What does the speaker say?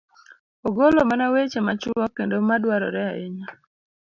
ogolo mana weche machuok kendo ma dwarore ahinya.